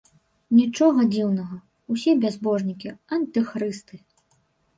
Нічога дзіўнага, усе бязбожнікі, антыхрысты.